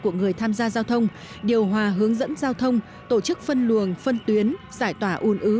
của người tham gia giao thông điều hòa hướng dẫn giao thông tổ chức phân luồng phân tuyến giải tỏa ùn ứ